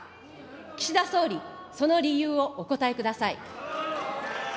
岸田総理、その理由をお答えください。